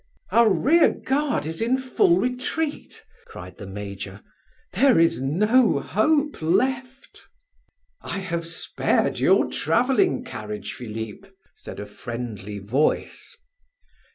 "Our rearguard is in full retreat," cried the major. "There is no hope left!" "I have spared your traveling carriage, Philip," said a friendly voice.